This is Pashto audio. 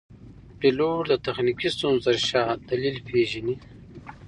پیلوټ د تخنیکي ستونزو تر شا دلیل پېژني.